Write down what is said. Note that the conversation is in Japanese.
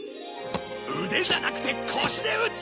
腕じゃなくて腰で打つ！